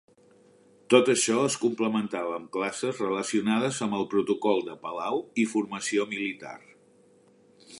Tot això es complementava amb classes relacionades amb el protocol de palau i formació militar.